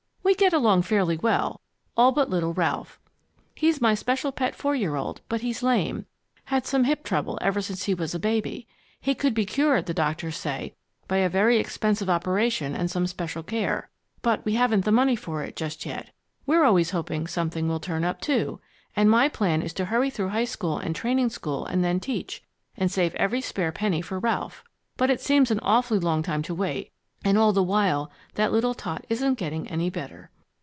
We get along fairly well all but little Ralph. He's my special pet, four year old, but he's lame had some hip trouble ever since he was a baby. He could be cured, the doctors say, by a very expensive operation and some special care. But we haven't the money for it just yet. We're always hoping something will turn up, too, and my plan is to hurry through high school and training school and then teach, and save every spare penny for Ralph. But it seems an awfully long time to wait, and all the while that little tot isn't getting any better."